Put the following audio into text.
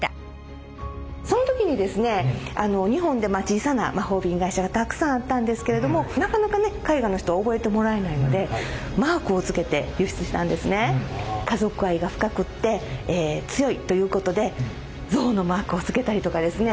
その時に日本で小さな魔法瓶会社がたくさんあったんですけれどもなかなかね海外の人に覚えてもらえないので家族愛が深くて強いということで象のマークをつけたりとかですね。